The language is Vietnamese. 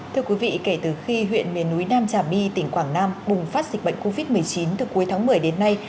thưa quý vị kể từ khi huyện miền núi nam trà my tỉnh quảng nam bùng phát dịch bệnh covid một mươi chín từ cuối tháng một mươi đến nay